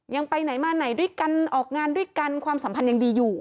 ไปไหนมาไหนด้วยกันออกงานด้วยกันความสัมพันธ์ยังดีอยู่